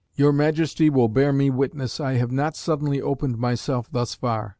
Your Majesty will bear me witness, I have not suddenly opened myself thus far.